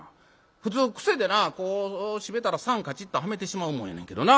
普通癖でなこう閉めたら桟カチッとはめてしまうもんやねんけどな。